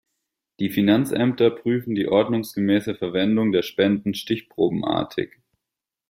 Die Finanzämter prüfen die ordnungsgemäße Verwendung der Spenden stichprobenartig.